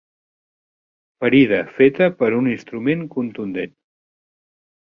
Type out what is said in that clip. Ferida feta per un instrument contundent.